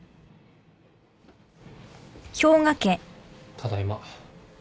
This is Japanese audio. ただいま。